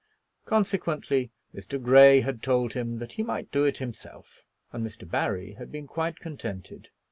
Consequently Mr. Grey had told him that he might do it himself, and Mr. Barry had been quite contented.